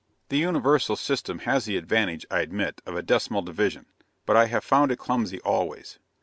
The Universal system has the advantage, I admit, of a decimal division; but I have found it clumsy always.